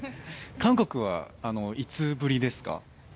韓国はいつぶりですか？